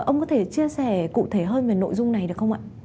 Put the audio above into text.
ông có thể chia sẻ cụ thể hơn về nội dung này được không ạ